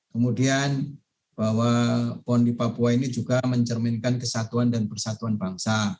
kemudian bahwa pon di papua ini juga mencerminkan kesatuan dan persatuan bangsa